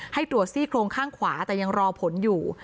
ให้ตรวจซี่โครงข้างขวาแต่ยังรอผลอยู่